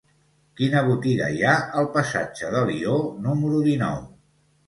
Quina botiga hi ha al passatge d'Alió número dinou?